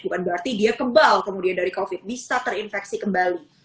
bukan berarti dia kebal kemudian dari covid bisa terinfeksi kembali